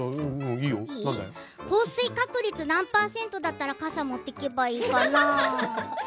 降水確率が何％だったら傘を持っていけばいいかな？